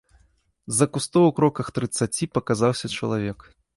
З-за кустоў у кроках трыццаці паказаўся чалавек.